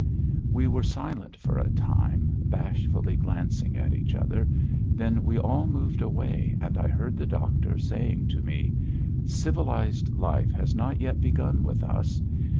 We were silent for a time, bashfully glancing at each other. Then we all moved away and I heard the doctor saying to me: "Civilised life has not yet begun with us.